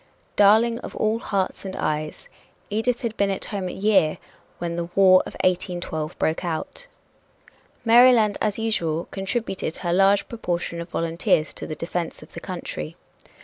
"Darling of all hearts and eyes," Edith had been at home a year when the War of 1812 broke out. Maryland, as usual, contributed her large proportion of volunteers to the defense of the country.